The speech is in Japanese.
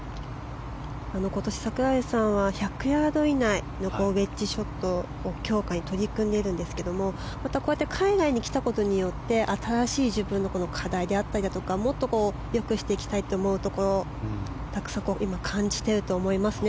今年櫻井さんは１００ヤード以内のエッジショットを強化に取り組んでいるんですけれどもまたこうやって海外に来たことによって新しい自分の課題だったりもっと良くしていきたいというところをたくさん感じていると思いますね。